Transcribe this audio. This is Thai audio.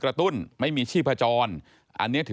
พบหน้าลูกแบบเป็นร่างไร้วิญญาณ